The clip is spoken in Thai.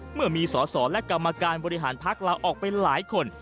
เมื่อมีสอสอและกรรมการบริหารพักลาออกไปหลายคน